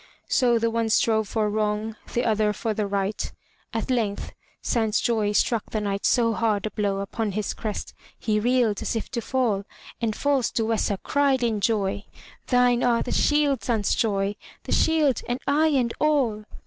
So the one strove for wrong, the other for the right. At length Sansjoy struck the Knight so hard a blow upon his crest he reeled as if to fall, and false Duessa cried in joy, "Thine are the shield, Sansjoy, the shield and I and all!'